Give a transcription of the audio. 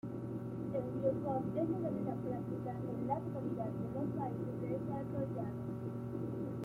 El boicot es legal en la práctica en la totalidad de los países desarrollados.